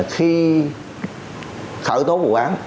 khi khởi tố vụ án